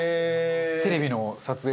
テレビの撮影で。